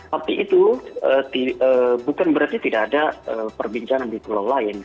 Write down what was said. tapi itu bukan berarti tidak ada perbincangan di pulau lain